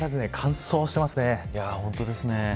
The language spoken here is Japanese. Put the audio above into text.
本当ですね。